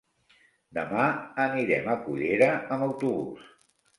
Demà anirem a Cullera amb autobús.